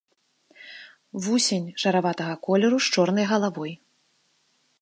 Вусень шараватага колеру з чорнай галавой.